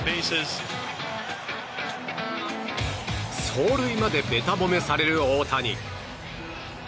走塁までべた褒めされる大谷。